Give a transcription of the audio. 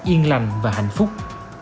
yên lành và hạnh phúc